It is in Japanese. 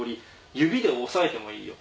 指で押さえてもいいよ。